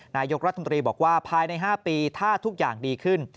นายกรัฐมนตรีบอกว่าภายใน๕ปีถ้าทุกอย่างดีขึ้น